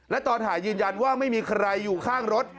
และตอนถ่ายยืนยันว่าไม่มีใครอยู่ข้างรถ